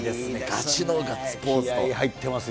ガチのガッツポーズと。